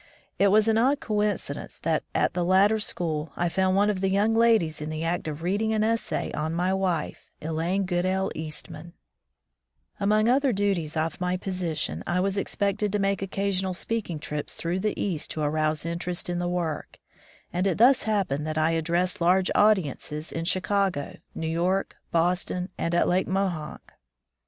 It was an odd coincidence that at the latter school I found one of the young ladies in the act of reading an essay on my wife, Elaine Goodale Eastman ! 146 Civilization as Preached and Practised Among other duties of my position, I was expected to make occasional speaking trips through the East to arouse interest in the work, and it thus happened that I addressed large audiences in Chicago, New York, Boston, and at Lake Mohonk.